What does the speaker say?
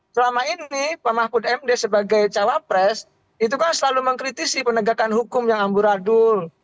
selama ini pak mahfud md sebagai cawapres itu kan selalu mengkritisi penegakan hukum yang amburadul